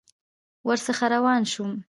ورڅخه روان شوم.